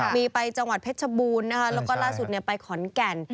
มีไปจังหวัดเพชรบูรณ์นะคะแล้วก็ล่าสุดไปขอนแก่น